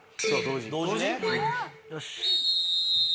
よし。